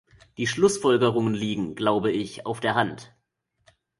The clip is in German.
Die Schlussfolgerungen liegen, glaube ich, auf der Hand.